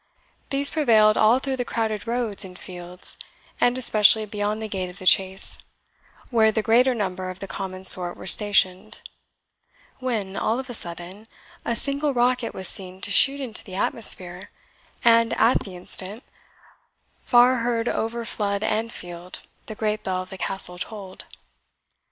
These prevailed all through the crowded roads and fields, and especially beyond the gate of the Chase, where the greater number of the common sort were stationed; when, all of a sudden, a single rocket was seen to shoot into the atmosphere, and, at the instant, far heard over flood and field, the great bell of the Castle tolled.